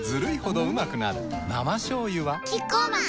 生しょうゆはキッコーマン